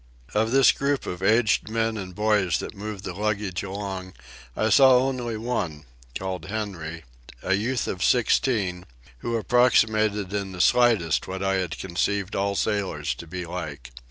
Of this group of aged men and boys that moved the luggage along I saw only one, called Henry, a youth of sixteen, who approximated in the slightest what I had conceived all sailors to be like.